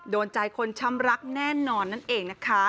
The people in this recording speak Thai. โดนใจคนช้ำรักแน่นอนนั่นเองนะคะ